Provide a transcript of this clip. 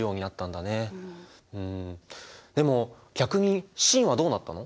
んでも逆に清はどうなったの？